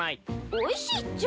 おいしいっちゃ。